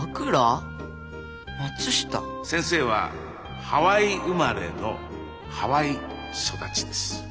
先生はハワイ生まれのハワイ育ちです。